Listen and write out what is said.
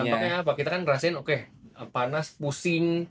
jadi dampaknya apa kita kan ngerasain oke panas pusing